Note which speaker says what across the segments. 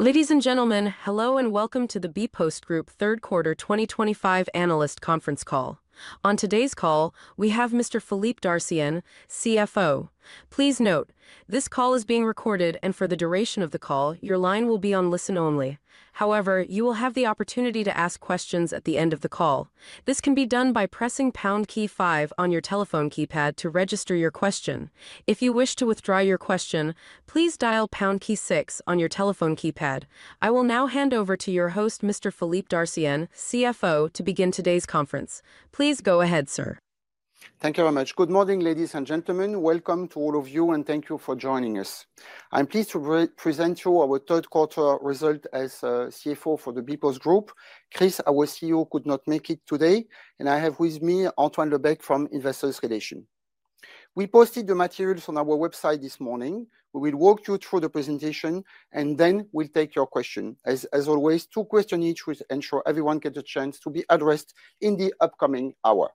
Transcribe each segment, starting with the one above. Speaker 1: Ladies and gentlemen, hello and welcome to the bpost Group Q3 2025 analyst conference call. On today's call, we have Mr. Philippe Dartienne, CFO. Please note, this call is being recorded, and for the duration of the call, your line will be on listen only. However, you will have the opportunity to ask questions at the end of the call. This can be done by pressing #5 on your telephone keypad to register your question. If you wish to withdraw your question, please dial #6 on your telephone keypad. I will now hand over to your host, Mr. Philippe Dartienne, CFO, to begin today's conference. Please go ahead, sir.
Speaker 2: Thank you very much. Good morning, ladies and gentlemen. Welcome to all of you, and thank you for joining us. I'm pleased to present to you our Q3 result as CFO for the bpost Group. Chris, our CEO, could not make it today, and I have with me Antoine Lebecq from Investor Relations. We posted the materials on our website this morning. We will walk you through the presentation, and then we'll take your questions. As always, two questions each will ensure everyone gets a chance to be addressed in the upcoming hour.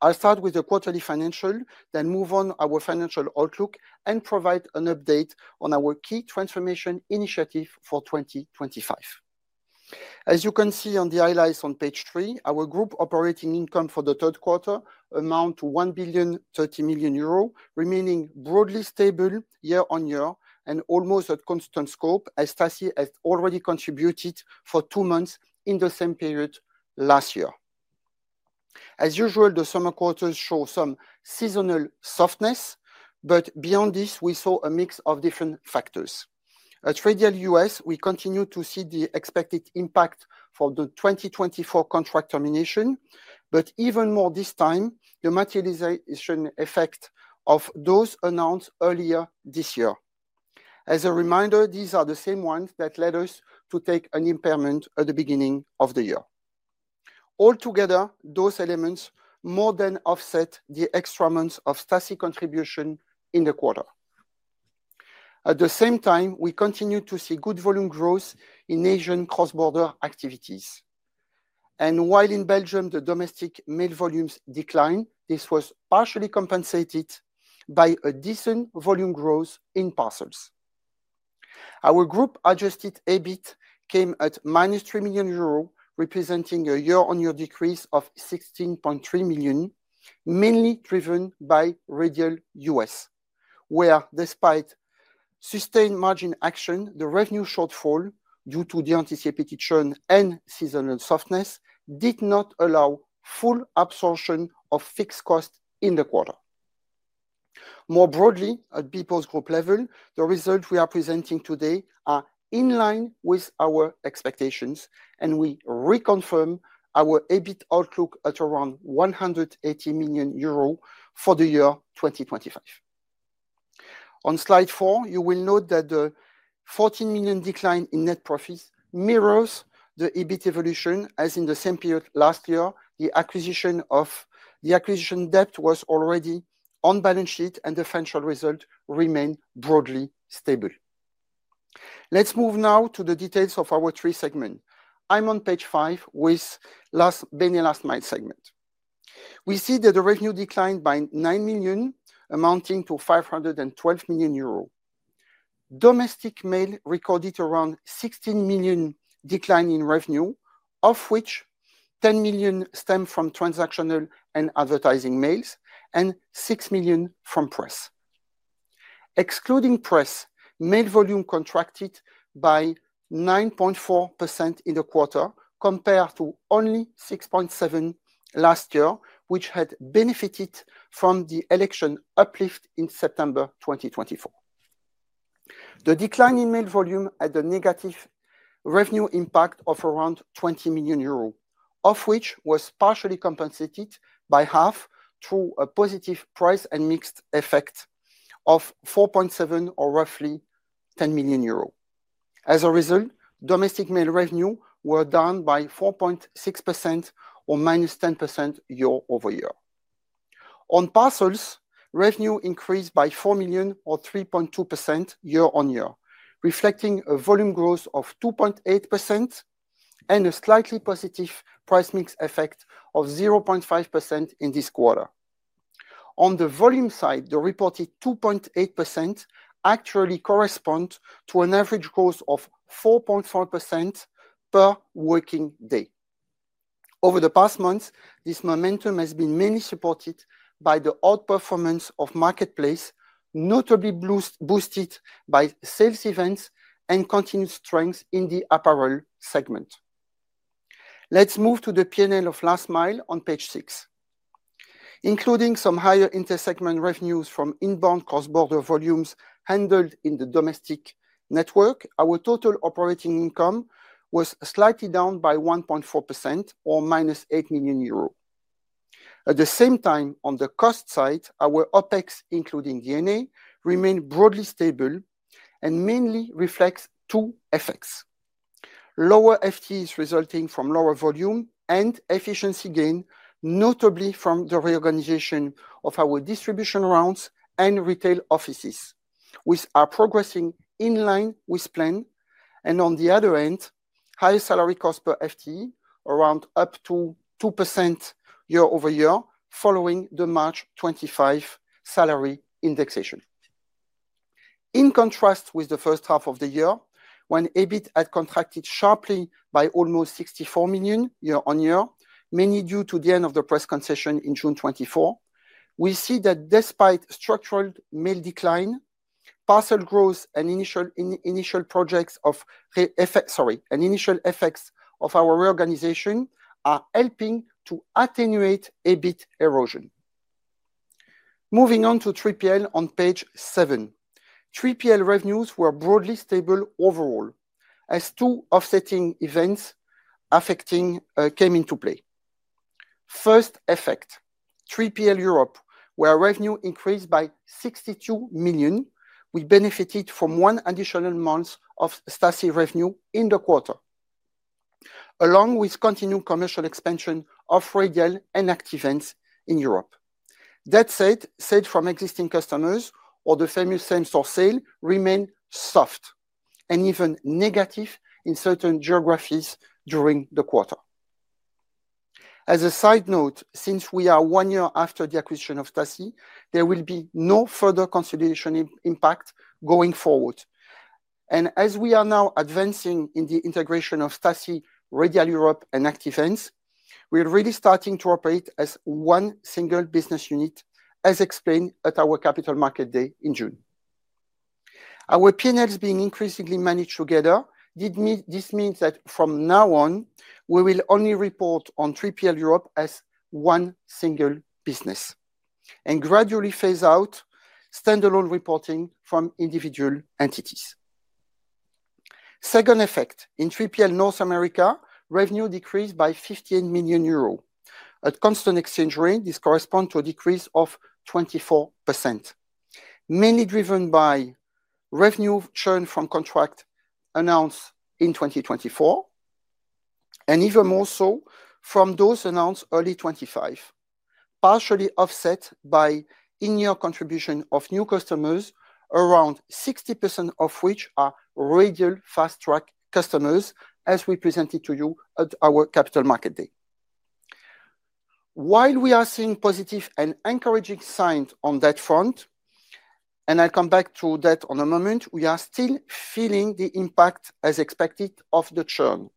Speaker 2: I'll start with the quarterly financial, then move on to our financial outlook, and provide an update on our key transformation initiatives for 2025. As you can see on the highlights on page three, our group operating income for the third quarter amounted to 1.030 billion remaining broadly stable year-on-year and almost at constant scope, as Staci has already contributed for two months in the same period last year. As usual, the summer quarters show some seasonal softness. Beyond this, we saw a mix of different factors. At Radial U.S., we continue to see the expected impact from the 2024 contract termination, but even more this time, the materialization effect of those announced earlier this year. As a reminder, these are the same ones that led us to take an impairment at the beginning of the year. Altogether, those elements more than offset the extra months of Staci contribution in the quarter. At the same time, we continue to see good volume growth in Asian cross-border activities. While in Belgium, the domestic mail volumes declined, this was partially compensated by a decent volume growth in parcels. Our group adjusted EBIT came at 3 million euro representing a year-on-year decrease of 16.3 million, mainly driven by Radial U.S., where, despite sustained margin action, the revenue shortfall due to the anticipated churn and seasonal softness did not allow full absorption of fixed costs in the quarter. More broadly, at bpost Group level, the results we are presenting today are in line with our expectations, and we reconfirm our EBIT outlook at around 180 million euro for the year 2025. On slide four, you will note that the 14 million decline in net profits mirrors the EBIT evolution, as in the same period last year, the acquisition debt was already on balance sheet, and the financial result remained broadly stable. Let's move now to the details of our three segments. I'm on page five with the last-mile segment. We see that the revenue declined by 9 million, amounting to 512 million euro. Domestic mail recorded around 16 million decline in revenue, of which 10 million stemmed from transactional and advertising mails, and 6 million from press. Excluding press, mail volume contracted by 9.4% in the quarter compared to only 6.7% last year, which had benefited from the election uplift in September 2024. The decline in mail volume had a negative revenue impact of around 20 million euros, of which was partially compensated by half through a positive price and mix effect of 4.7 million, or roughly 10 million euros. As a result, domestic mail revenues were down by 4.6% or minus 10% year-over-year. On parcels, revenue increased by 4 million, or 3.2% year-on-year, reflecting a volume growth of 2.8% and a slightly positive price mix effect of 0.5% in this quarter. On the volume side, the reported 2.8% actually corresponds to an average growth of 4.4% per working day. Over the past months, this momentum has been mainly supported by the outperformance of marketplace, notably boosted by sales events and continued strength in the apparel segment. Let's move to the P&L of last mile on page six. Including some higher intersegment revenues from inbound cross-border volumes handled in the domestic network, our total operating income was slightly down by 1.4%, or 8 million euro. At the same time, on the cost side, our OpEx, including D&A, remained broadly stable and mainly reflects two effects. Lower FTEs resulting from lower volume and efficiency gain, notably from the reorganization of our distribution rounds and retail offices, which are progressing in line with plan. On the other end, higher salary cost per FTE, around up to 2% year-over-year, following the March 25 salary indexation. In contrast with the first half of the year, when EBIT had contracted sharply by almost 64 million year-on-year, mainly due to the end of the press concession in June 2024, we see that despite structural mail decline, parcel growth, and initial projects of. Effects of our reorganization are helping to attenuate EBIT erosion. Moving on to 3PL on page seven, 3PL revenues were broadly stable overall, as two offsetting events came into play. First effect, 3PL Europe, where revenue increased by 62 million, we benefited from one additional month of Staci revenue in the quarter. Along with continued commercial expansion of Radial and Active Ants in Europe. That said, from existing customers, or the famous same-store sale, remained soft and even negative in certain geographies during the quarter. As a side note, since we are one year after the acquisition of Staci, there will be no further consolidation impact going forward. As we are now advancing in the integration of Staci, Radial Europe, and Active Ants, we're really starting to operate as one single business unit, as explained at our capital market day in June. Our P&Ls are being increasingly managed together. This means that from now on, we will only report on 3PL Europe as one single business, and gradually phase out standalone reporting from individual entities. Second effect, in 3PL North America, revenue decreased by 58 million euros. At constant exchange rate, this corresponds to a decrease of 24%. Mainly driven by revenue churn from contracts announced in 2024, and even more so from those announced early 2025. Partially offset by in-year contribution of new customers, around 60% of which are Radial Fast Track customers, as we presented to you at our capital market day. While we are seeing positive and encouraging signs on that front. I'll come back to that in a moment, we are still feeling the impact, as expected, of the churn.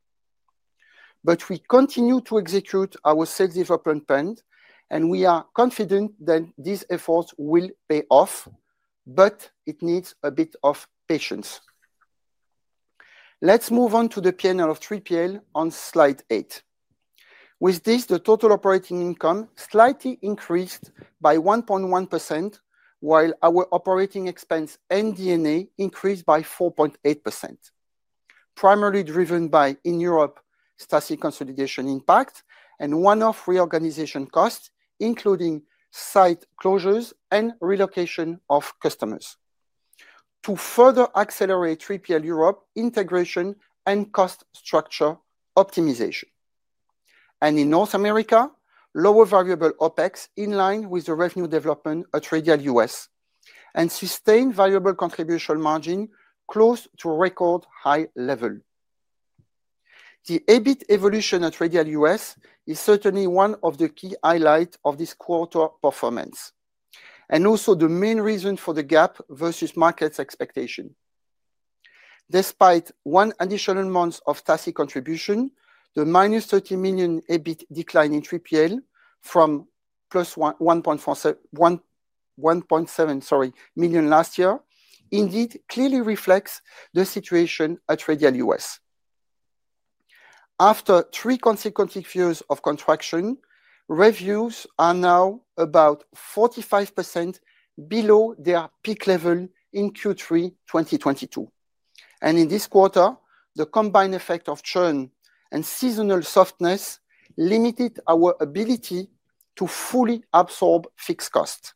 Speaker 2: We continue to execute our sales development plan, and we are confident that these efforts will pay off, but it needs a bit of patience. Let's move on to the P&L of 3PL on slide eight. With this, the total operating income slightly increased by 1.1%, while our operating expense and D&A increased by 4.8%. Primarily driven by in-Europe Staci consolidation impact and one-off reorganization costs, including site closures and relocation of customers, to further accelerate 3PL Europe integration and cost structure optimization. In North America, lower variable OpEx in line with the revenue development at Radial U.S. and sustained variable contribution margin close to record high level. The EBIT evolution at Radial U.S. is certainly one of the key highlights of this quarter performance, and also the main reason for the gap versus market's expectation. Despite one additional month of Staci contribution, the minus 30 million EBIT decline in 3PL from 1.7 million last year indeed clearly reflects the situation at Radial U.S. After three consequential years of contraction, revenues are now about 45% below their peak level in Q3 2022. In this quarter, the combined effect of churn and seasonal softness limited our ability to fully absorb fixed costs.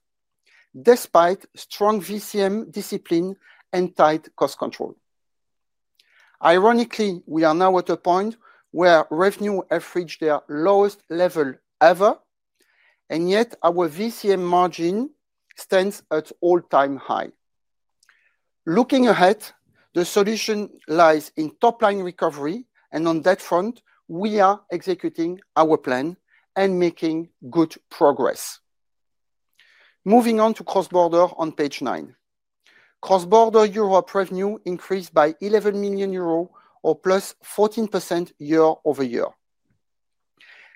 Speaker 2: Despite strong VCM discipline and tight cost control, ironically, we are now at a point where revenue has reached their lowest level ever, yet our VCM margin stands at all-time high. Looking ahead, the solution lies in top-line recovery, and on that front, we are executing our plan and making good progress. Moving on to cross-border on page nine. Cross-border Europe revenue increased by 11 million euros, or +14% year-over-year.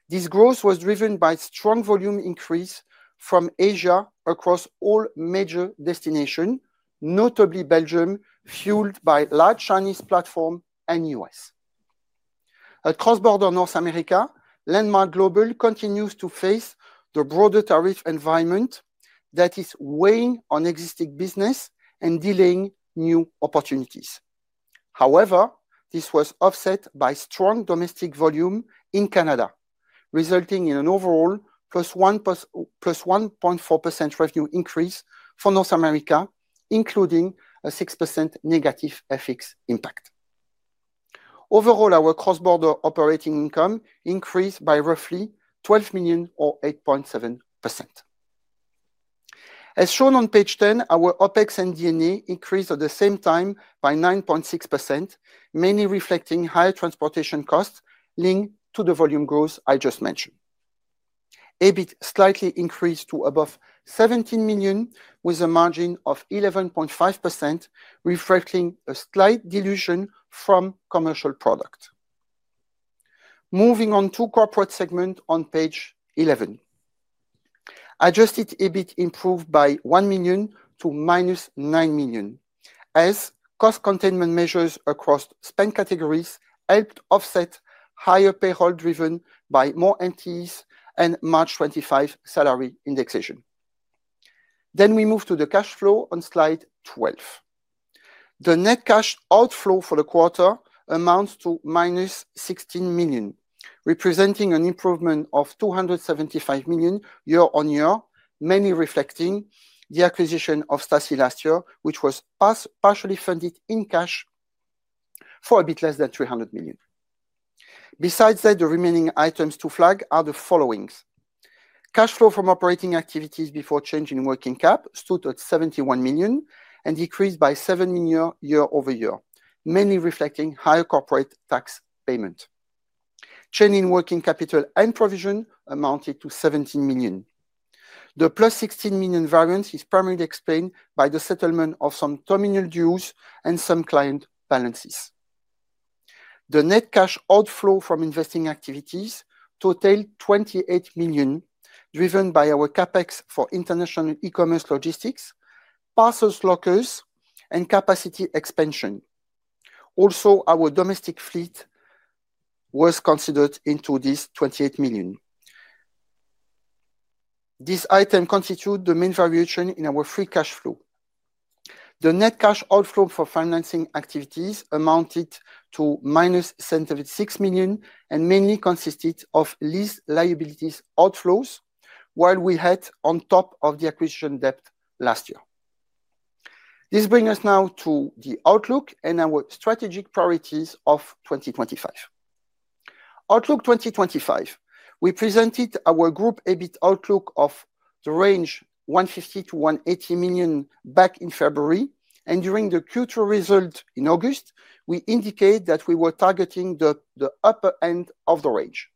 Speaker 2: This growth was driven by strong volume increase from Asia across all major destinations, notably Belgium, fueled by large Chinese platforms and U.S. At cross-border North America, Landmark Global continues to face the broader tariff environment that is weighing on existing business and delaying new opportunities. However, this was offset by strong domestic volume in Canada, resulting in an overall +1.4% revenue increase for North America, including a 6% negative FX impact. Overall, our cross-border operating income increased by roughly 12 million, or 8.7%. As shown on page ten, our OpEx and D&A increased at the same time by 9.6%, mainly reflecting higher transportation costs linked to the volume growth I just mentioned. EBIT slightly increased to above 17 million, with a margin of 11.5%, reflecting a slight dilution from commercial product. Moving on to corporate segment on page 11. Adjusted EBIT improved by 1 million to -9 million, as cost containment measures across spend categories helped offset higher payroll driven by more entities and March 2025 salary indexation. We move to the cash flow on slide 12. The net cash outflow for the quarter amounts to -16 million, representing an improvement of 275 million year-on-year, mainly reflecting the acquisition of Staci last year, which was partially funded in cash for a bit less than 300 million. Besides that, the remaining items to flag are the following. Cash flow from operating activities before change in working cap stood at 71 million and decreased by 7 million year-over-year, mainly reflecting higher corporate tax payment. Change in working capital and provision amounted to 17 million. The plus 16 million variance is primarily explained by the settlement of some terminal dues and some client balances. The net cash outflow from investing activities totaled 28 million, driven by our CapEx for international e-commerce logistics, parcel stockers, and capacity expansion. Also, our domestic fleet was considered into this 28 million. This item constitutes the main variation in our free cash flow. The net cash outflow for financing activities amounted to -76 million and mainly consisted of lease liabilities outflows, while we had on top of the acquisition debt last year. This brings us now to the outlook and our strategic priorities of 2025. Outlook 2025, we presented our group EBIT outlook of the range 150 million-180 million back in February, and during the Q2 result in August, we indicated that we were targeting the upper end of the range.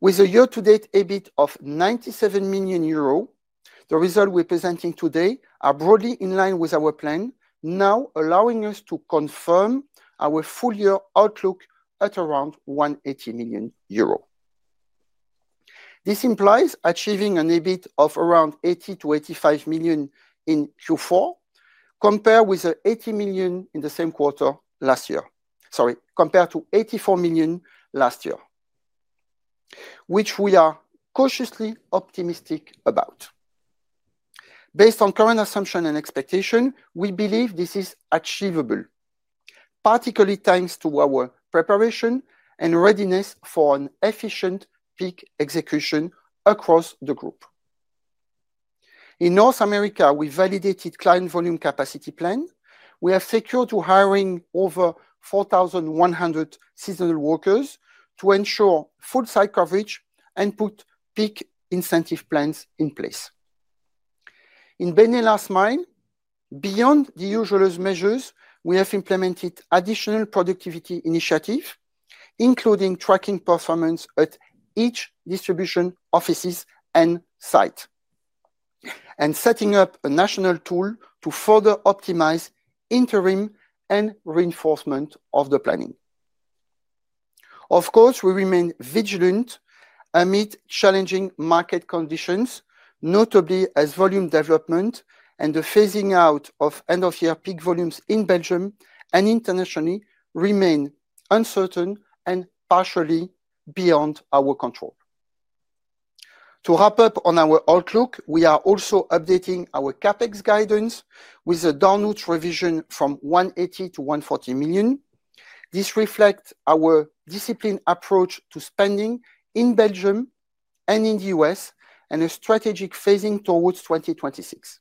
Speaker 2: With a year-to-date EBIT of 97 million euro, the results we're presenting today are broadly in line with our plan, now allowing us to confirm our full-year outlook at around 180 million euro. This implies achieving an EBIT of around 80 million-85 million in Q4, compared with 80 million in the same quarter last year, sorry, compared to 84 million last year. Which we are cautiously optimistic about. Based on current assumptions and expectations, we believe this is achievable. Particularly thanks to our preparation and readiness for an efficient peak execution across the group. In North America, we validated client volume capacity plan. We have secured hiring over 4,100 seasonal workers to ensure full-site coverage and put peak incentive plans in place. In Ben and Last Mile, beyond the usual measures, we have implemented additional productivity initiatives, including tracking performance at each distribution office and site. And setting up a national tool to further optimize interim and reinforcement of the planning. Of course, we remain vigilant amid challenging market conditions, notably as volume development and the phasing out of end-of-year peak volumes in Belgium and internationally remain uncertain and partially beyond our control. To wrap up on our outlook, we are also updating our CapEx guidance with a downward revision from 180 million to 140 million. This reflects our disciplined approach to spending in Belgium and in the U.S. and a strategic phasing towards 2026.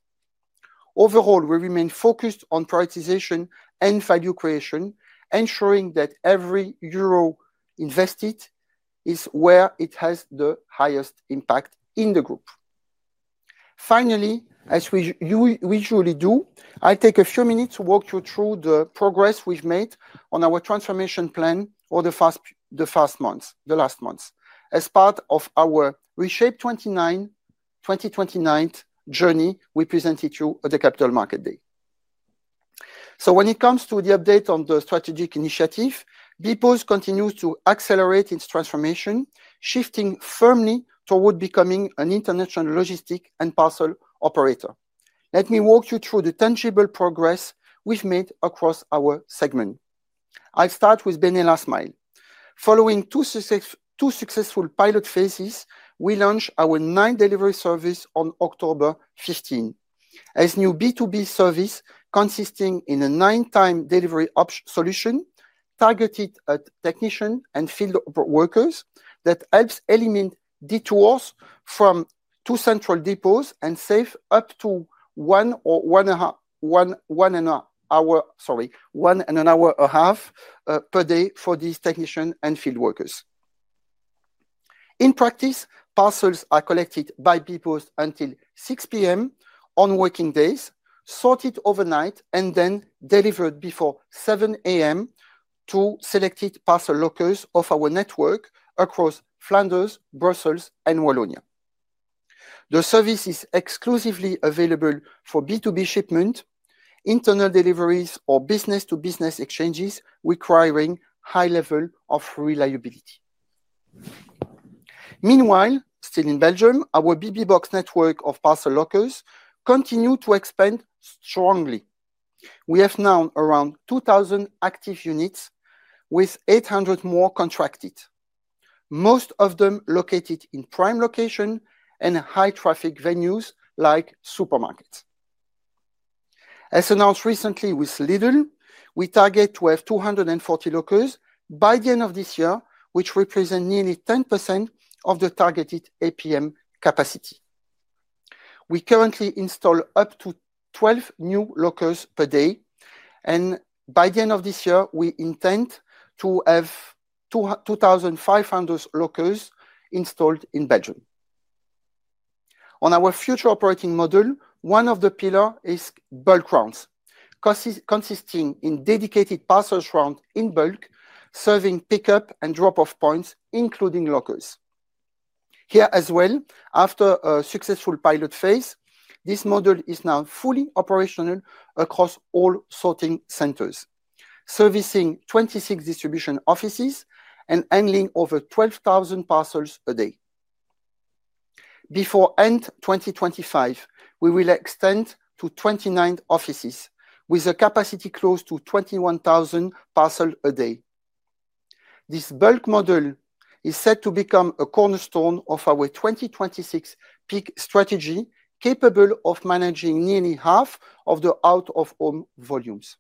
Speaker 2: Overall, we remain focused on prioritization and value creation, ensuring that every euro invested is where it has the highest impact in the group. Finally, as we usually do, I'll take a few minutes to walk you through the progress we've made on our transformation plan for the last months as part of our Reshape 2029 journey we presented to you at the capital market day. When it comes to the update on the strategic initiative, bpost continues to accelerate its transformation, shifting firmly toward becoming an international logistic and parcel operator. Let me walk you through the tangible progress we've made across our segment. I'll start with Ben and Last Mile. Following two successful pilot phases, we launched our nine-delivery service on October 15 as a new B2B service consisting of a nine-time delivery solution targeted at technicians and field workers that helps eliminate detours from two central depots and saves up to one or one and a half hour, sorry, one and an hour and a half per day for these technicians and field workers. In practice, parcels are collected by bpost until 6:00 P.M. on working days, sorted overnight, and then delivered before 7:00 A.M. to selected parcel lockers of our network across Flanders, Brussels, and Wallonia. The service is exclusively available for B2B shipment. Internal deliveries or business-to-business exchanges requiring high levels of reliability. Meanwhile, still in Belgium, our bbox network of parcel lockers continues to expand strongly. We have now around 2,000 active units with 800 more contracted. Most of them located in prime locations and high-traffic venues like supermarkets. As announced recently with Lidl, we target to have 240 lockers by the end of this year, which represents nearly 10% of the targeted APM capacity. We currently install up to 12 new lockers per day, and by the end of this year, we intend to have 2,500 lockers installed in Belgium. On our future operating model, one of the pillars is bulk rounds. Consisting of dedicated parcel rounds in bulk serving pickup and drop-off points, including lockers. Here as well, after a successful pilot phase, this model is now fully operational across all sorting centers, servicing 26 distribution offices and handling over 12,000 parcels a day. Before end 2025, we will extend to 29 offices with a capacity close to 21,000 parcels a day. This bulk model is set to become a cornerstone of our 2026 peak strategy, capable of managing nearly half of the out-of-home volumes.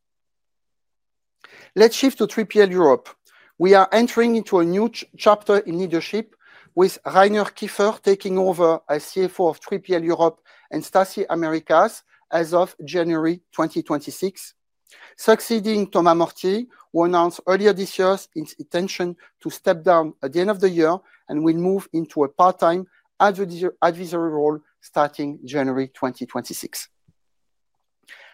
Speaker 2: Let's shift to 3PL Europe. We are entering into a new chapter in leadership, with Reiner Kiefer taking over as CFO of 3PL Europe and Staci Americas as of January 2026. Succeeding Thomas Mortier, who announced earlier this year his intention to step down at the end of the year and will move into a part-time advisory role starting January 2026.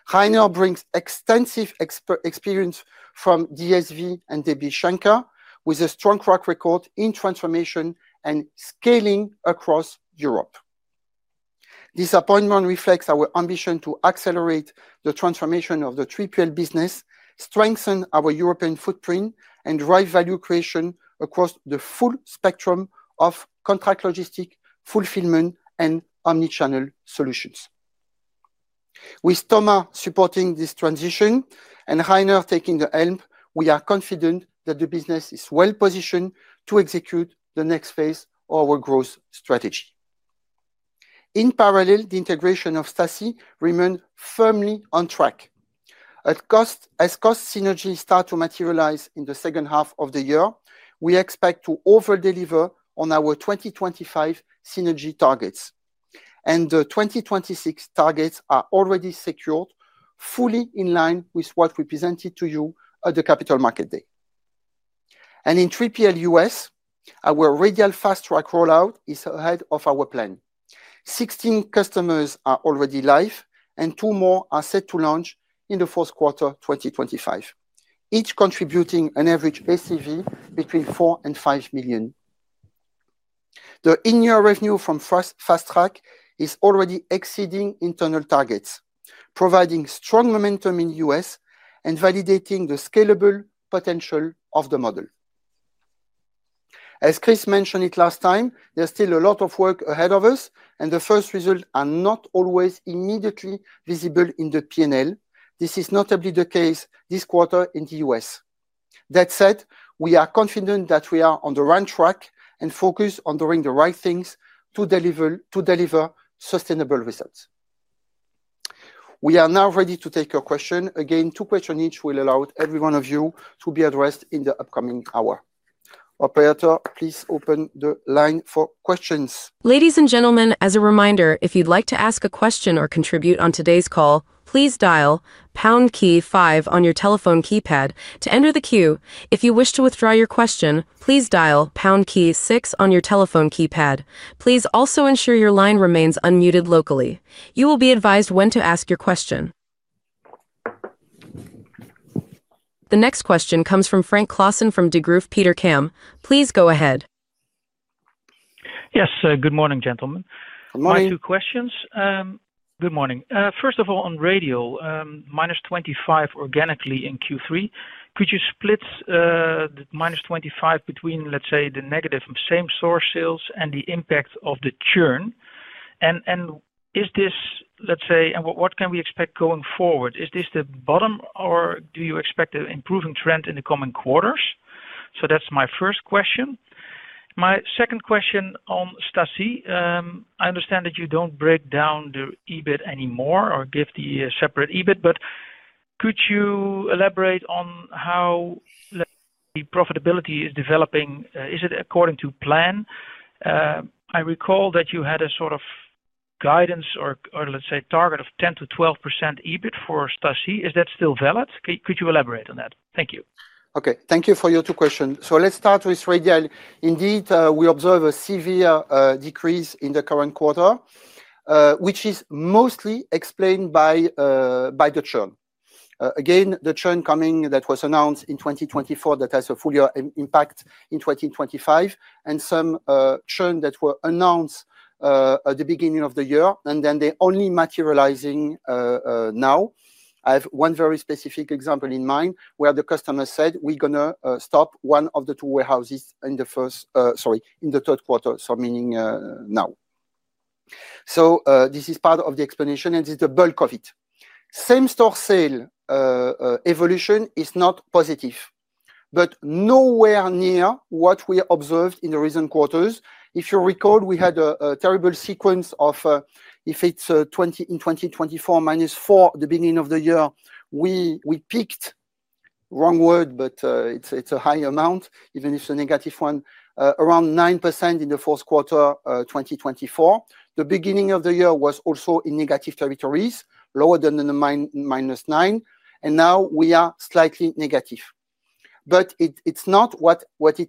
Speaker 2: Reiner brings extensive experience from DSV and DB Schenker, with a strong track record in transformation and scaling across Europe. This appointment reflects our ambition to accelerate the transformation of the 3PL business, strengthen our European footprint, and drive value creation across the full spectrum of contract logistics, fulfillment, and omnichannel solutions. With Thomas supporting this transition and Reiner taking the helm, we are confident that the business is well positioned to execute the next phase of our growth strategy. In parallel, the integration of Staci remains firmly on track. As cost synergies start to materialize in the second half of the year, we expect to overdeliver on our 2025 synergy targets, and the 2026 targets are already secured, fully in line with what we presented to you at the capital market day. In 3PL U.S., our Radial Fast Track rollout is ahead of our plan. Sixteen customers are already live, and two more are set to launch in the fourth quarter 2025, each contributing an average ACV between 4 million and 5 million. The in-year revenue from Fast Track is already exceeding internal targets, providing strong momentum in the U.S. and validating the scalable potential of the model. As Chris mentioned it last time, there's still a lot of work ahead of us, and the first results are not always immediately visible in the P&L. This is notably the case this quarter in the U.S. That said, we are confident that we are on the right track and focused on doing the right things to deliver sustainable results. We are now ready to take your questions. Again, two questions each will allow every one of you to be addressed in the upcoming hour. Operator, please open the line for questions.
Speaker 1: Ladies and gentlemen, as a reminder, if you'd like to ask a question or contribute on today's call, please dial #5 on your telephone keypad to enter the queue. If you wish to withdraw your question, please dial #6 on your telephone keypad. Please also ensure your line remains unmuted locally. You will be advised when to ask your question. The next question comes from Frank Claassen from Degroof Petercam. Please go ahead.
Speaker 3: Yes, good morning, gentlemen.
Speaker 2: Good morning.
Speaker 3: My two questions. Good morning. First of all, on Radial, minus 25% organically in Q3, could you split -25% between, let's say, the negative same-store sales and the impact of the churn? And is this, let's say, and what can we expect going forward? Is this the bottom, or do you expect an improving trend in the coming quarters? That is my first question. My second question on Staci, I understand that you do not break down the EBIT anymore or give the separate EBIT, but could you elaborate on how the profitability is developing? Is it according to plan? I recall that you had a sort of guidance or, let's say, target of 10%-12% EBIT for Staci. Is that still valid? Could you elaborate on that? Thank you.
Speaker 2: Okay. Thank you for your two questions. Let's start with Radial. Indeed, we observe a severe decrease in the current quarter, which is mostly explained by the churn. Again, the churn coming that was announced in 2024 that has a full-year impact in 2025, and some churn that were announced at the beginning of the year, and then they are only materializing now. I have one very specific example in mind where the customer said, "We're going to stop one of the two warehouses in the first, sorry, in the third quarter," so meaning now. This is part of the explanation, and this is the bulk of it. Same store sale evolution is not positive, but nowhere near what we observed in the recent quarters. If you recall, we had a terrible sequence of, if it's in 2024, -4 at the beginning of the year, we peaked—wrong word, but it's a high amount, even if it's a -1 —around 9% in the fourth quarter 2024. The beginning of the year was also in negative territories, lower than the -9, and now we are slightly negative. It is not what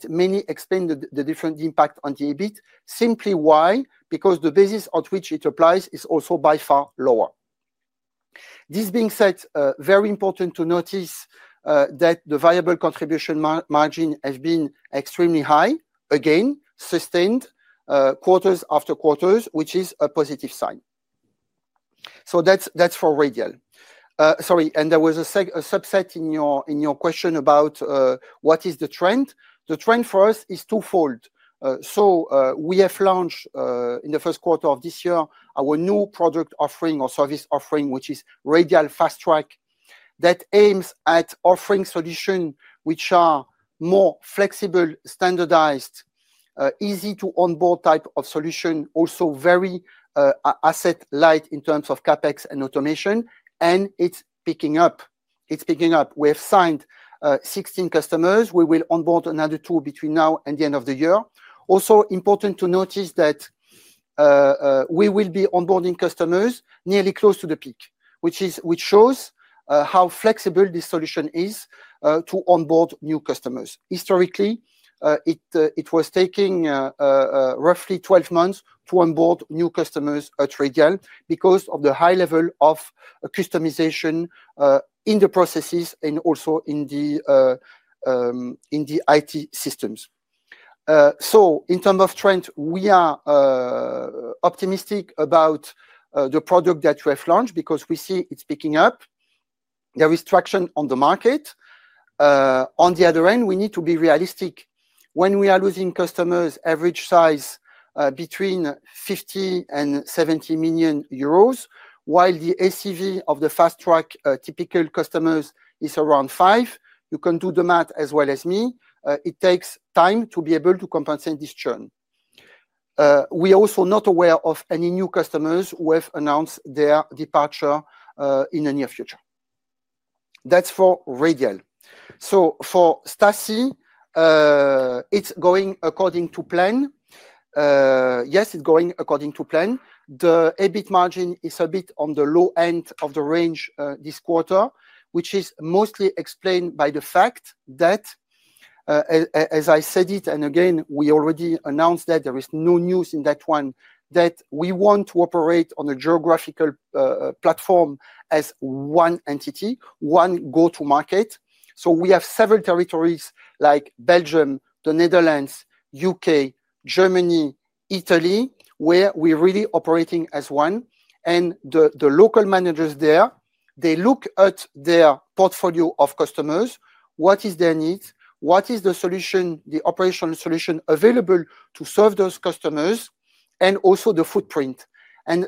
Speaker 2: mainly explained the different impact on the EBIT. Simply why? Because the basis on which it applies is also by far lower. This being said, very important to notice that the variable contribution margin has been extremely high, again, sustained quarters after quarters, which is a positive sign. That is for Radial. Sorry, and there was a subset in your question about what is the trend. The trend for us is twofold. We have launched in the first quarter of this year our new product offering or service offering, which is Radial Fast Track, that aims at offering solutions which are more flexible, standardized, easy-to-onboard type of solution, also very asset-light in terms of CapEx and automation, and it is picking up. It is picking up. We have signed 16 customers. We will onboard another two between now and the end of the year. Also important to notice that. We will be onboarding customers nearly close to the peak, which shows how flexible this solution is to onboard new customers. Historically, it was taking roughly 12 months to onboard new customers at Radial because of the high level of customization in the processes and also in the IT systems. In terms of trend, we are optimistic about the product that we have launched because we see it's picking up. There is traction on the market. On the other end, we need to be realistic. When we are losing customers, average size between 50 million and 70 million euros, while the ACV of the Fast Track typical customers is around 5 million, you can do the math as well as me. It takes time to be able to compensate this churn. We are also not aware of any new customers who have announced their departure in the near future. That's for Radial. For Staci, it's going according to plan. Yes, it's going according to plan. The EBIT margin is a bit on the low end of the range this quarter, which is mostly explained by the fact that, as I said, and again, we already announced that there is no news in that one, that we want to operate on a geographical platform as one entity, one go-to-market. We have several territories like Belgium, the Netherlands, U.K., Germany, Italy, where we're really operating as one. The local managers there look at their portfolio of customers, what is their needs, what is the solution, the operational solution available to serve those customers, and also the footprint.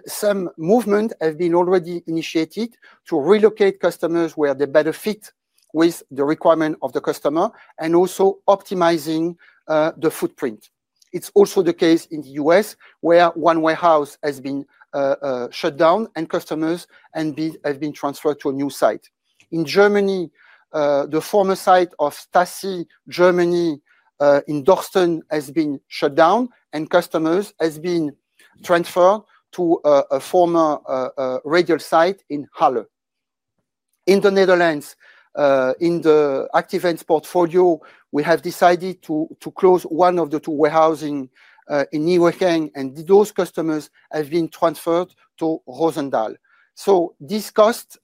Speaker 2: Some movement has been already initiated to relocate customers where they better fit with the requirement of the customer and also optimizing the footprint. It's also the case in the U.S. where one warehouse has been shut down and customers have been transferred to a new site. In Germany, the former site of Staci Germany in Dorsten has been shut down and customers have been transferred to a former Radial site in Halle. In the Netherlands, in the Active Ants portfolio, we have decided to close one of the two warehouses in Nieuwegein, and those customers have been transferred to Rosendal. These costs,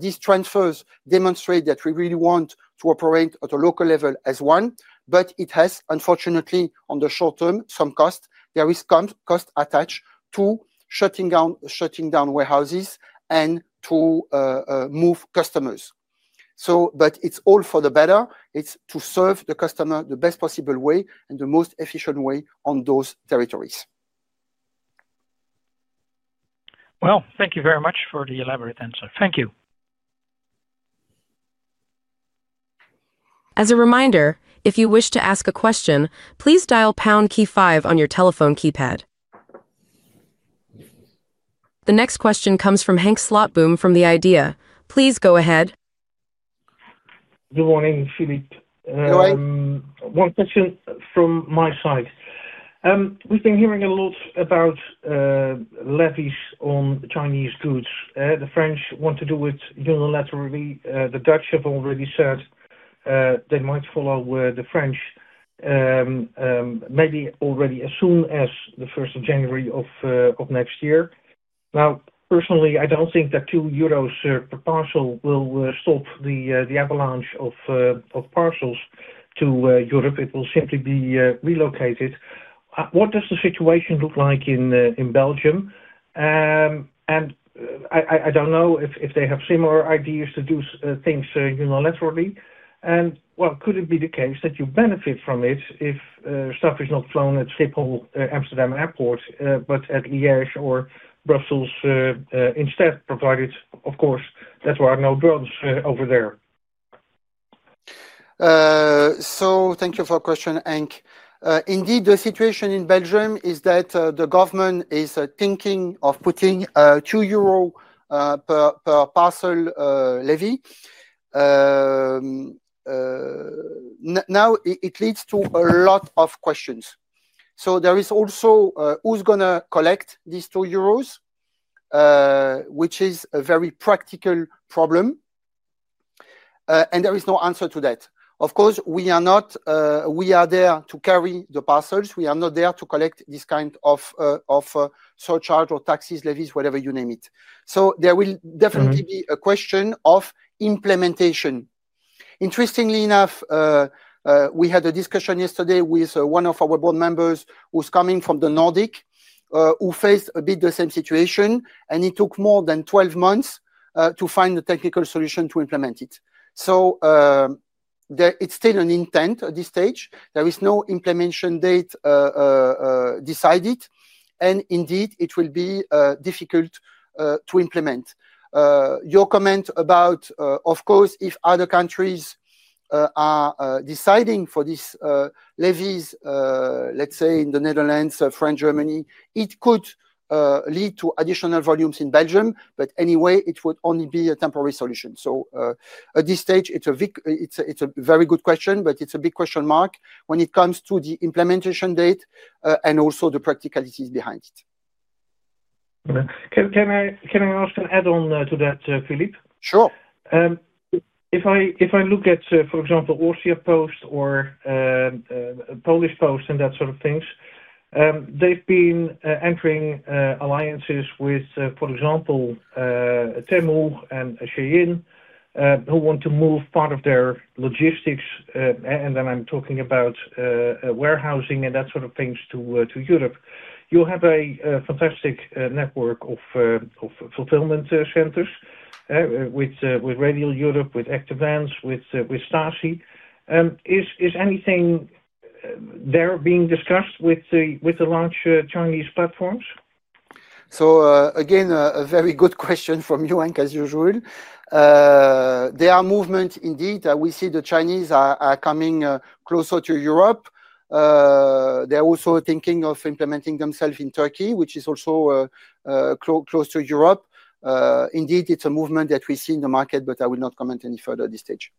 Speaker 2: these transfers demonstrate that we really want to operate at a local level as one, but it has, unfortunately, in the short term, some costs. There is cost attached to shutting down warehouses and to move customers. It's all for the better. It's to serve the customer the best possible way and the most efficient way on those territories.
Speaker 3: Thank you very much for the elaborate answer. Thank you.
Speaker 1: As a reminder, if you wish to ask a question, please dial #5 on your telephone keypad. The next question comes from Henk Slotboom from The IDEA
Speaker 4: Please go ahead. Good morning, Philippe.
Speaker 2: Hello.
Speaker 4: One question from my side. We've been hearing a lot about levies on Chinese goods. The French want to do it unilaterally. The Dutch have already said they might follow the French, maybe already as soon as the 1st of January of next year. Now, personally, I don't think that 2 euros per parcel will stop the avalanche of parcels to Europe. It will simply be relocated. What does the situation look like in Belgium? I don't know if they have similar ideas to do things unilaterally. Could it be the case that you benefit from it if stuff is not flown at Schiphol, Amsterdam Airport, but at Liège or Brussels instead, provided, of course, that there are no drugs over there?
Speaker 2: Thank you for the question, Henk. Indeed, the situation in Belgium is that the government is thinking of putting a EUR 2 per parcel levy. It leads to a lot of questions. There is also who is going to collect these 2 euros, which is a very practical problem. There is no answer to that. Of course, we are not. We are there to carry the parcels. We are not there to collect this kind of surcharge or taxes, levies, whatever you name it. There will definitely be a question of implementation. Interestingly enough. We had a discussion yesterday with one of our board members who's coming from the Nordic, who faced a bit the same situation, and it took more than 12 months to find the technical solution to implement it. It is still an intent at this stage. There is no implementation date decided. Indeed, it will be difficult to implement. Your comment about, of course, if other countries are deciding for these levies, let's say in the Netherlands, France, Germany, it could lead to additional volumes in Belgium, but anyway, it would only be a temporary solution. At this stage, it's a very good question, but it's a big question mark when it comes to the implementation date and also the practicalities behind it.
Speaker 4: Can I also add on to that, Philip?
Speaker 2: Sure.
Speaker 4: If I look at, for example, Austria Post or Polish Post and that sort of things. They've been entering alliances with, for example, Temu and Shein, who want to move part of their logistics, and then I'm talking about warehousing and that sort of things, to Europe. You have a fantastic network of fulfillment centers with Radial Europe, with Active Ants, with Staci. Is anything there being discussed with the large Chinese platforms?
Speaker 2: Again, a very good question from you, Henk, as usual. There are movements, indeed. We see the Chinese are coming closer to Europe. They're also thinking of implementing themselves in Turkey, which is also close to Europe. Indeed, it's a movement that we see in the market, but I will not comment any further at this stage.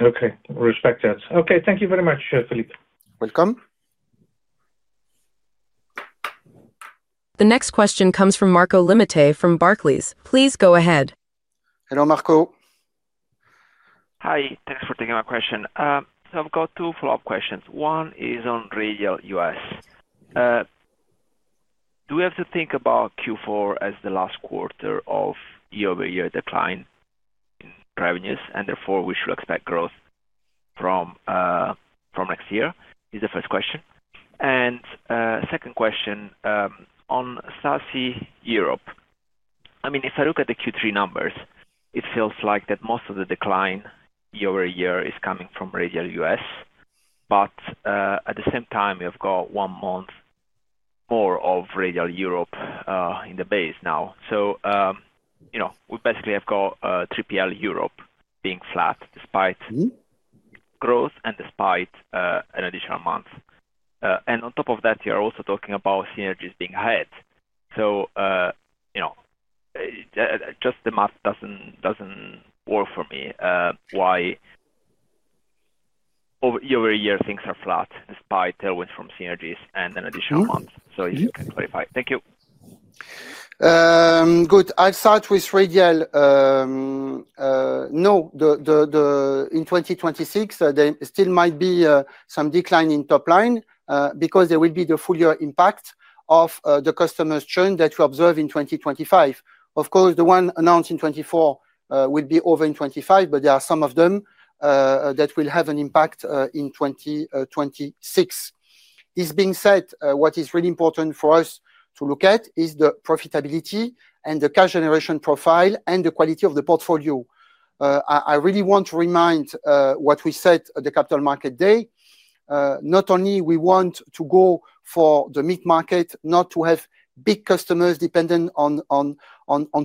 Speaker 4: Okay. Respect that. Okay. Thank you very much, Philippe.
Speaker 2: Welcome.
Speaker 1: The next question comes from Marco Limite from Barclays. Please go ahead.
Speaker 2: Hello, Marco.
Speaker 5: Hi. Thanks for taking my question. I've got two follow-up questions. One is on Radial U.S. Do we have to think about Q4 as the last quarter of year-over-year decline in revenues, and therefore we should expect growth from next year? Is the first question. And second question, on Staci Europe. I mean, if I look at the Q3 numbers, it feels like that most of the decline year-over-year is coming from Radial U.S. At the same time, we've got one month more of Radial Europe in the base now. We basically have got 3PL Europe being flat despite growth and despite an additional month. On top of that, you're also talking about synergies being ahead. Just the math doesn't work for me why year-over-year things are flat despite tailwinds from synergies and an additional month. If you can clarify. Thank you.
Speaker 2: Good. I start with Radial. No. In 2026, there still might be some decline in top line because there will be the full-year impact of the customer's churn that we observe in 2025. Of course, the one announced in 2024 will be over in 2025, but there are some of them. That will have an impact in 2026. This being said, what is really important for us to look at is the profitability and the cash generation profile and the quality of the portfolio. I really want to remind what we said at the capital market day. Not only do we want to go for the mid-market, not to have big customers dependent on.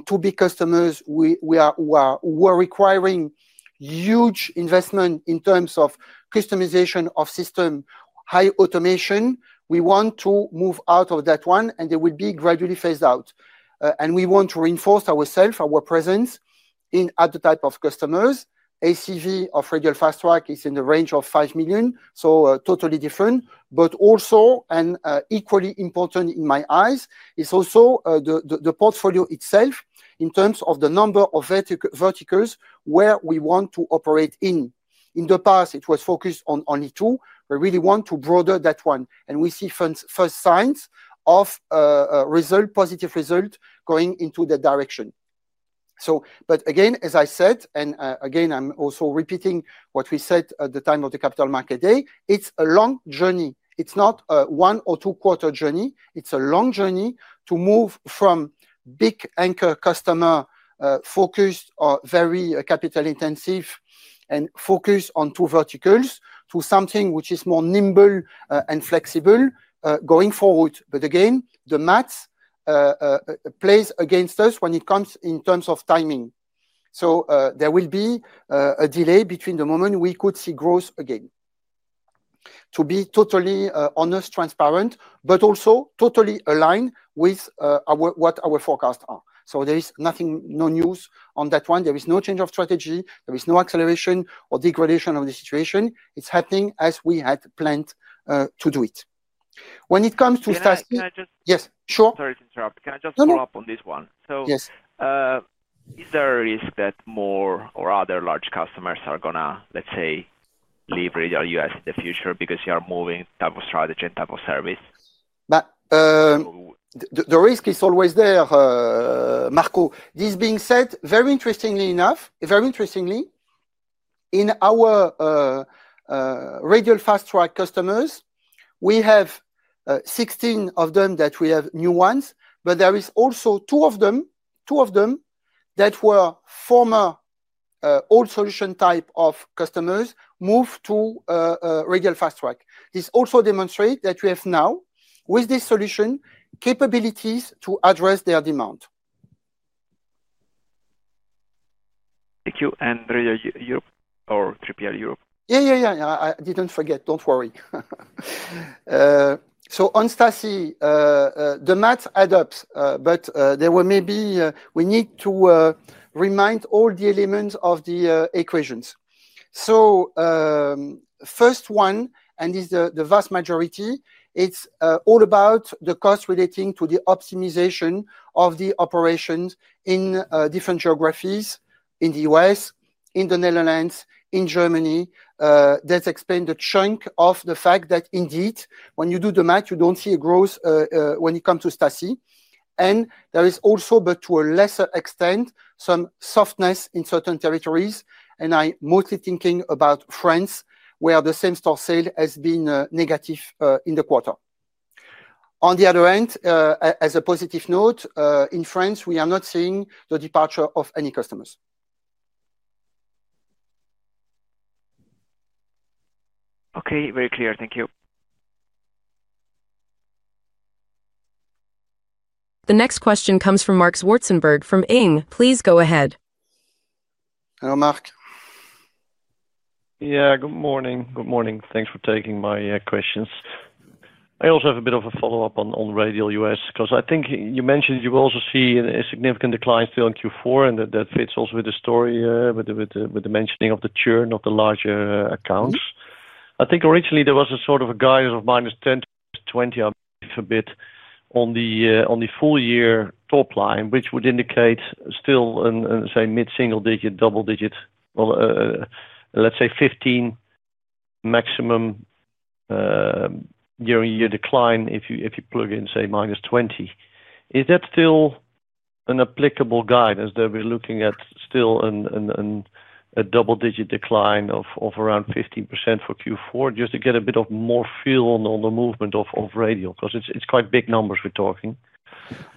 Speaker 2: Too big customers who are requiring huge investment in terms of customization of system, high automation, we want to move out of that one, and they will be gradually phased out. We want to reinforce ourselves, our presence in other types of customers. ACV of Radial Fast Track is in the range of 5 million, so totally different. Also, and equally important in my eyes, is the portfolio itself in terms of the number of verticals where we want to operate in. In the past, it was focused on only two. We really want to broaden that one. We see first signs of positive results going into that direction. Again, as I said, and again, I'm also repeating what we said at the time of the capital market day, it's a long journey. It's not a one- or two-quarter journey. It's a long journey to move from big anchor customer focused or very capital-intensive and focused on two verticals to something which is more nimble and flexible going forward. Again, the math. Plays against us when it comes in terms of timing. There will be a delay between the moment we could see growth again. To be totally honest, transparent, but also totally aligned with what our forecasts are. There is nothing, no news on that one. There is no change of strategy. There is no acceleration or degradation of the situation. It is happening as we had planned to do it. When it comes to Staci. Yes. Sure.
Speaker 5: Sorry to interrupt. Can I just follow up on this one? Is there a risk that more or other large customers are going to, let's say, leave Radial U.S. in the future because you are moving type of strategy and type of service?
Speaker 2: The risk is always there, Marco. This being said, very interestingly enough, very interestingly, in our Radial Fast Track customers, we have. Sixteen of them that we have are new ones, but there are also two of them that were former old solution type of customers moved to Radial Fast Track. This also demonstrates that we have now, with this solution, capabilities to address their demand.
Speaker 5: Thank you. For 3PL Europe?
Speaker 2: Yeah, yeah, yeah. I did not forget. Do not worry. On Staci, the math adds up, but there may be we need to remind all the elements of the equations. The first one, and this is the vast majority, it is all about the cost relating to the optimization of the operations in different geographies in the U.S., in the Netherlands, in Germany. That explains the chunk of the fact that indeed, when you do the math, you do not see a growth when it comes to Staci. There is also, but to a lesser extent, some softness in certain territories. I'm mostly thinking about France, where the same store sale has been negative in the quarter. On the other end, as a positive note, in France, we are not seeing the departure of any customers.
Speaker 5: Okay. Very clear. Thank you.
Speaker 1: The next question comes from Mark Zwartsenburg from ING. Please go ahead.
Speaker 2: Hello, Marc.
Speaker 6: Yeah. Good morning. Good morning. Thanks for taking my questions. I also have a bit of a follow-up on Radial U.S. because I think you mentioned you also see a significant decline still in Q4, and that fits also with the story, with the mentioning of the churn of the larger accounts. I think originally there was a sort of a guide of -10% to -20%, I believe, a bit on the full-year top line, which would indicate still, say, mid-single digit, double digit. Let's say 15%. Maximum. Year-on-year decline, if you plug in, say, -20%. Is that still an applicable guidance that we're looking at, still a double-digit decline of around 15% for Q4, just to get a bit more feel on the movement of Radial? Because it's quite big numbers we're talking.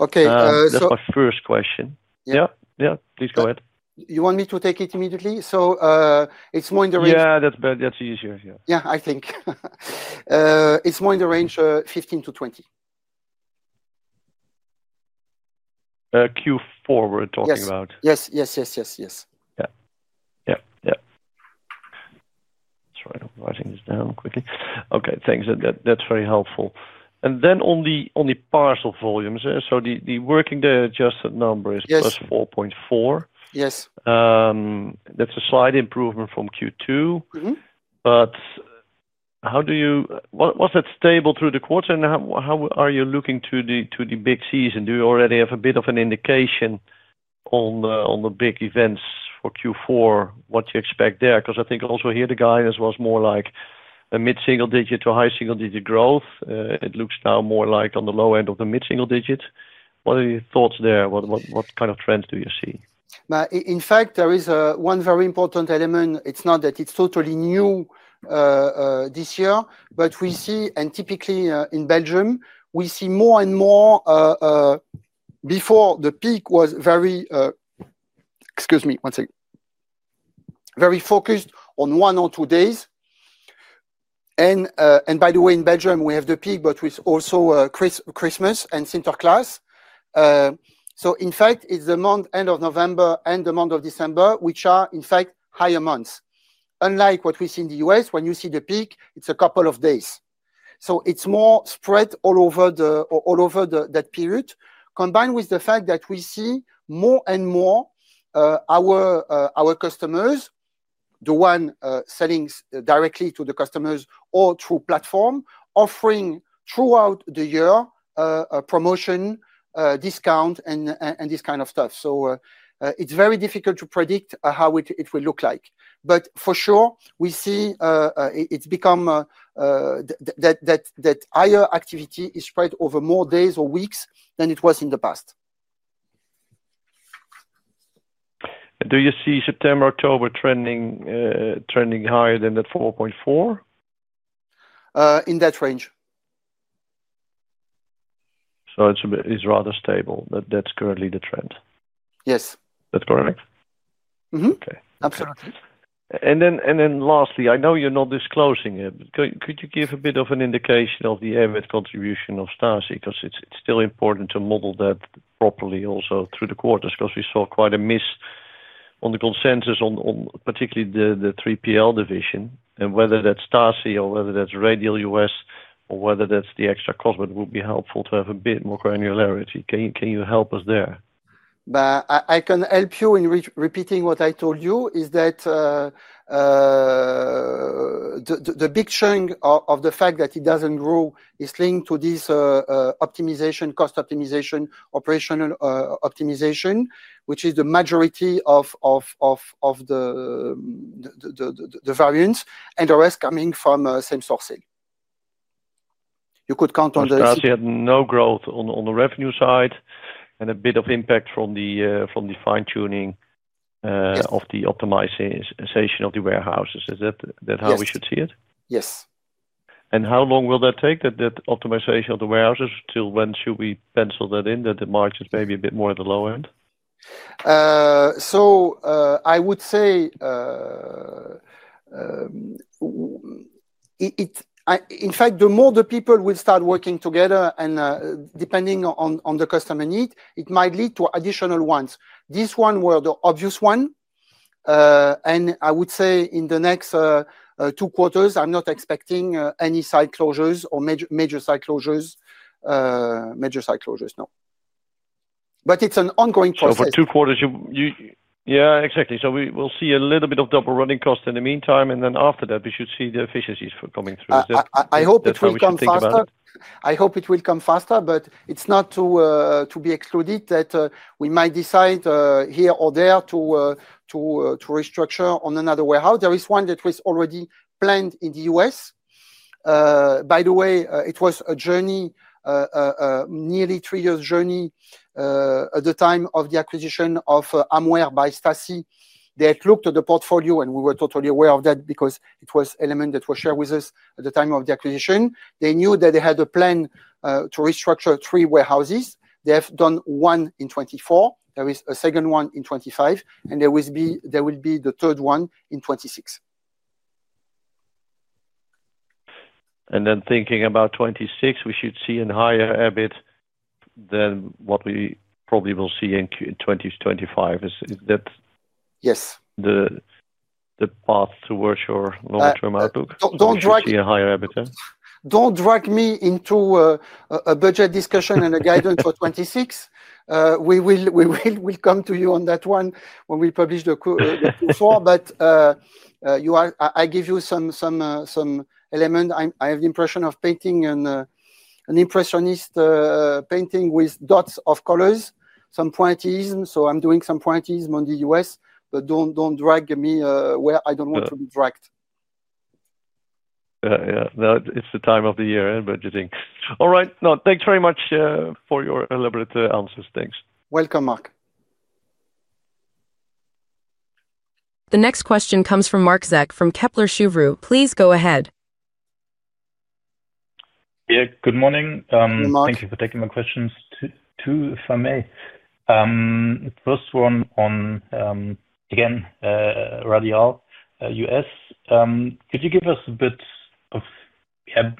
Speaker 2: Okay. So
Speaker 6: my first question. Yeah. Yeah. Please go ahead.
Speaker 2: You want me to take it immediately? So it's more in the range.
Speaker 6: Yeah, that's easier. Yeah.
Speaker 2: Yeah, I think it's more in the range of 15%-20%.
Speaker 6: Q4 we're talking about?
Speaker 2: Yes. Yes. Yes. Yes. Yes.
Speaker 6: Yeah. Yeah. Yeah. Sorry, I'm writing this down quickly. Okay, thanks. That's very helpful. Then on the parcel volumes, the working day adjusted number is plus 4.4%. That's a slight improvement from Q2. How do you—was that stable through the quarter? How are you looking to the big season? Do you already have a bit of an indication on the big events for Q4, what you expect there? Because I think also here the guidance was more like a mid-single digit to high single digit growth. It looks now more like on the low end of the mid-single digit. What are your thoughts there? What kind of trends do you see?
Speaker 2: In fact, there is one very important element. It's not that it's totally new this year, but we see—and typically in Belgium, we see more and more. Before the peak was very—excuse me, one second—very focused on one or two days. By the way, in Belgium, we have the peak, but with also Christmas and Sinterklaas. In fact, it's the month end of November and the month of December, which are, in fact, higher months. Unlike what we see in the U.S., when you see the peak, it's a couple of days. It's more spread all over. That period, combined with the fact that we see more and more our customers, the ones selling directly to the customers or through platform, offering throughout the year promotion, discount, and this kind of stuff. It's very difficult to predict how it will look like. For sure, we see it's become that higher activity is spread over more days or weeks than it was in the past.
Speaker 6: Do you see September, October trending higher than that 4.4? In that range. It's rather stable. That's currently the trend.
Speaker 2: Yes.
Speaker 6: That's correct?
Speaker 2: Mm-hmm. Absolutely.
Speaker 6: Lastly, I know you're not disclosing it, but could you give a bit of an indication of the average contribution of Staci? Because it's still important to model that properly also through the quarters because we saw quite a miss on the consensus on particularly the 3PL division. Whether that's Staci or whether that's Radial U.S. or whether that's the extra cost, it would be helpful to have a bit more granularity. Can you help us there?
Speaker 2: I can help you in repeating what I told you is that the big chunk of the fact that it doesn't grow is linked to this optimization, cost optimization, operational optimization, which is the majority of the variance and the rest coming from same sourcing. You could count on the—
Speaker 6: So Staci had no growth on the revenue side and a bit of impact from the fine-tuning of the optimization of the warehouses. Is that how we should see it?
Speaker 2: Yes.
Speaker 6: How long will that take, that optimization of the warehouses? Until when should we pencil that in, that the margin is maybe a bit more at the lower end?
Speaker 2: I would say, in fact, the more the people will start working together and depending on the customer need, it might lead to additional ones. This one was the obvious one. I would say in the next two quarters, I'm not expecting any site closures or major site closures. Major site closures, no. It is an ongoing process.
Speaker 6: For two quarters, yeah, exactly. We will see a little bit of double running cost in the meantime. After that, we should see the efficiencies coming through.
Speaker 2: I hope it will come faster. I hope it will come faster, but it is not to be excluded that we might decide here or there to restructure on another warehouse. There is one that was already planned in the US. By the way, it was a journey, nearly three-year journey. At the time of the acquisition of Amware by Staci, they had looked at the portfolio, and we were totally aware of that because it was an element that was shared with us at the time of the acquisition. They knew that they had a plan to restructure three warehouses. They have done one in 2024. There is a second one in 2025, and there will be the third one in 2026.
Speaker 6: Thinking about 2026, we should see a higher EBIT than what we probably will see in 2025. Is that the path towards your long-term outlook? Do you see a higher EBIT?
Speaker 2: Do not drag me into a budget discussion and a guidance for 2026. We will come to you on that one when we publish the Q4. I give you some element. I have the impression of painting an impressionist painting with dots of colors, some pointillism. So I'm doing some pointillism on the U.S., but don't drag me where I don't want to be dragged.
Speaker 6: Yeah. Yeah. No, it's the time of the year and budgeting. All right. No, thanks very much for your elaborate answers. Thanks.
Speaker 2: Welcome, Marc
Speaker 1: The next question comes from Marc Zeck from Kepler Cheuvreux. Please go ahead.
Speaker 7: Yeah. Good morning.
Speaker 2: Good morning.
Speaker 7: Thank you for taking my questions, too, if I may. First one on. Again. Radial U.S. Could you give us a bit of.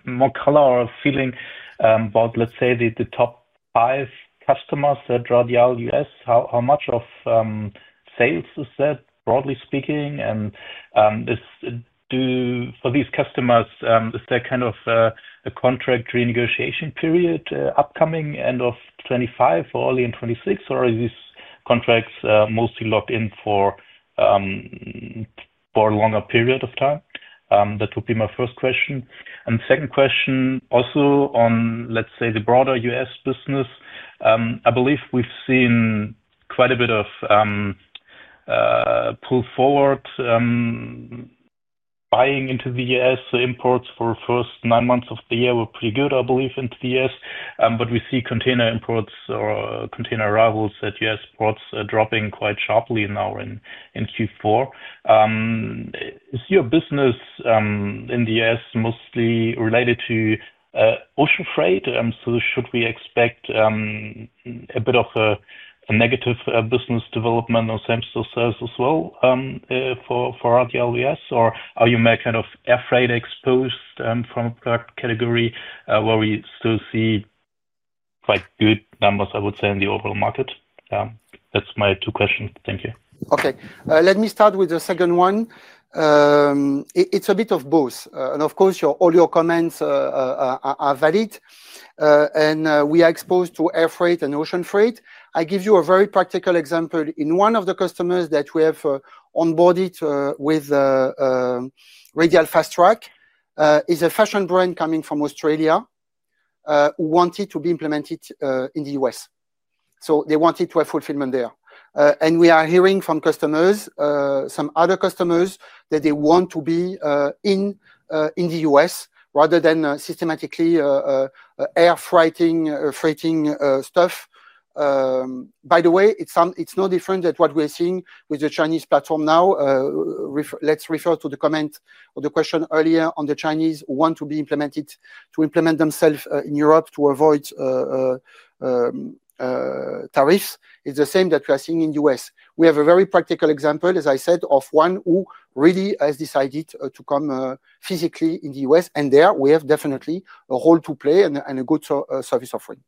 Speaker 7: More color or feeling about, let's say, the top five customers at Radial U.S.? How much of. Sales is that, broadly speaking? And. For these customers, is there kind of a contract renegotiation period upcoming end of 2025 or early in 2026? Or are these contracts mostly locked in for. A longer period of time? That would be my first question. The second question also on, let's say, the broader U.S. business. I believe we've seen quite a bit of pull forward buying into the U.S. The imports for the first nine months of the year were pretty good, I believe, into the US. We see container imports or container arrivals at U.S. ports dropping quite sharply now in Q4. Is your business in the U.S. mostly related to ocean freight? Should we expect a bit of a negative business development on same-store sales as well for Radial U.S.? Are you kind of air freight exposed from a product category where we still see quite good numbers, I would say, in the overall market? That's my two questions. Thank you.
Speaker 2: Okay. Let me start with the second one. It's a bit of both. Of course, all your comments are valid. We are exposed to air freight and ocean freight. I give you a very practical example. One of the customers that we have onboarded with Radial Fast Track is a fashion brand coming from Australia who wanted to be implemented in the US. They wanted to have fulfillment there. We are hearing from customers, some other customers, that they want to be in the U.S. rather than systematically air freighting stuff. By the way, it is no different than what we are seeing with the Chinese platform now. Let's refer to the comment or the question earlier on the Chinese who want to implement themselves in Europe to avoid tariffs. It is the same that we are seeing in the U.S. We have a very practical example, as I said, of one who really has decided to come physically in the U.S. There, we have definitely a role to play and a good service offering.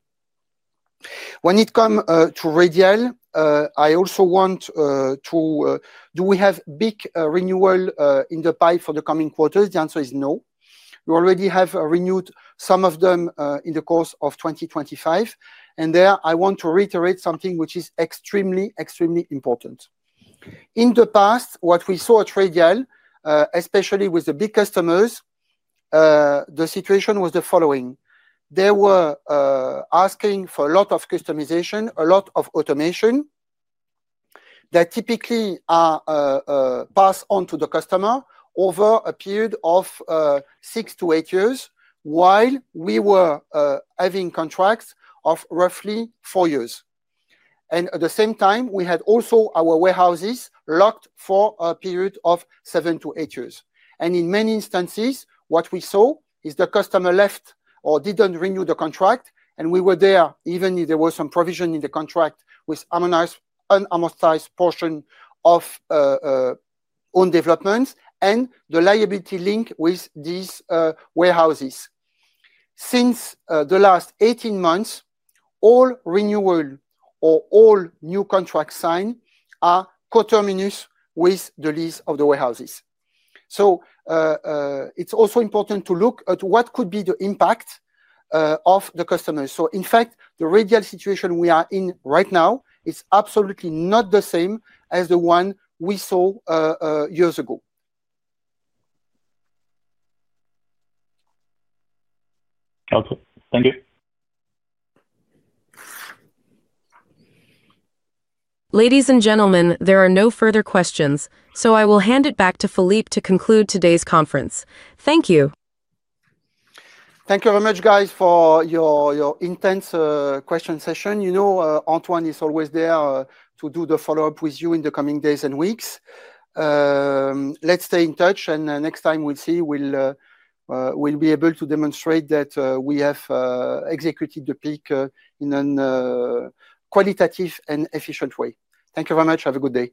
Speaker 2: When it comes to Radial, I also want to. Do we have big renewal in the pipe for the coming quarters? The answer is no. We already have renewed some of them in the course of 2025. There, I want to reiterate something which is extremely, extremely important. In the past, what we saw at Radial, especially with the big customers, the situation was the following. They were asking for a lot of customization, a lot of automation. That typically passed on to the customer over a period of six to eight years, while we were having contracts of roughly four years. At the same time, we had also our warehouses locked for a period of seven to eight years. In many instances, what we saw is the customer left or did not renew the contract, and we were there even if there was some provision in the contract with an amortized portion of own developments and the liability link with these warehouses. Since the last 18 months, all renewal or all new contracts signed are co-terminus with the lease of the warehouses. It is also important to look at what could be the impact of the customers. In fact, the Radial situation we are in right now is absolutely not the same as the one we saw years ago.
Speaker 7: Okay. Thank you.
Speaker 1: Ladies and gentlemen, there are no further questions, so I will hand it back to Philippe to conclude today's conference. Thank you.
Speaker 2: Thank you very much, guys, for your intense question session. Antoine is always there to do the follow-up with you in the coming days and weeks. Let's stay in touch, and next time we'll see we'll be able to demonstrate that we have executed the peak in a qualitative and efficient way. Thank you very much. Have a good day.